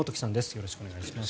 よろしくお願いします。